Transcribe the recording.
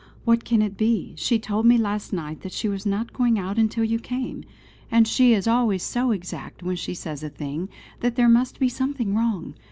What can it be? She told me last night that she was not going out until you came; and she is always so exact when she says a thing, that there must be something wrong.